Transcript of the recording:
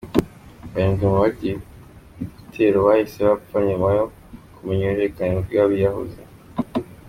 Barindwi mu bagabye igitero bahise bapfa nyuma yo kumenya uruhererekane rw’abiyahuzi.